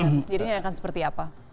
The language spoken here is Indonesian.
jadi ini akan seperti apa